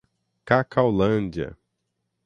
Cacaulândia